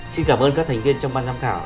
xin cảm ơn các thành viên trong ban giám khảo